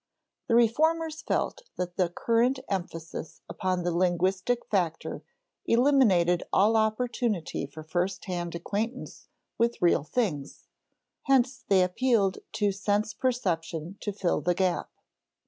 The reformers felt that the current emphasis upon the linguistic factor eliminated all opportunity for first hand acquaintance with real things; hence they appealed to sense perception to fill the gap.